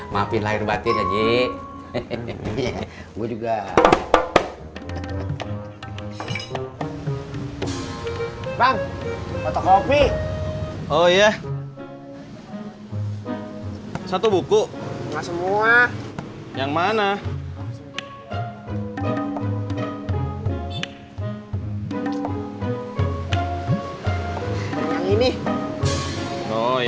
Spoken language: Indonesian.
maafin lahir batin lagi gue juga bang otakopi oh iya satu buku semua yang mana ini oh iya